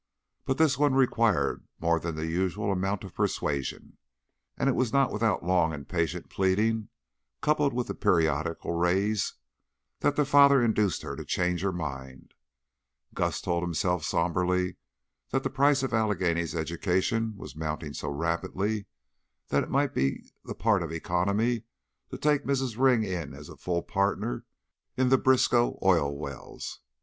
But this one required more than the usual amount of persuasion, and it was not without long and patient pleading, coupled with the periodical raise, that the father induced her to change her mind. Gus told himself somberly that the price of Allegheny's education was mounting so rapidly that it might be the part of economy to take Mrs. Ring in as a full partner in the Briskow oil wells.